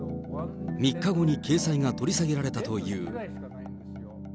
３日後に掲載が取り下げられたという。